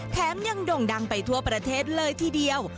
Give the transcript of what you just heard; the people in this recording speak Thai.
แถมยังโด่งดังไปทั่วประเทศเลยทีเดียว